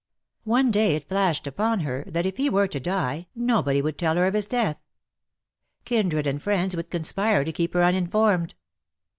One day it flashed upon her that if he were to die nobody would tell her of his death. Kindred and friends would conspire to keep her uninformed.